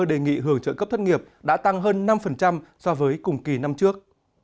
hồ sơ đề nghị hưởng trợ cấp thất nghiệp đã tăng hơn năm so với cùng kỳ năm trước